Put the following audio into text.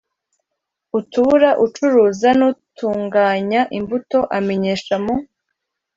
utubura ucuruza n utunganya imbuto amenyesha mu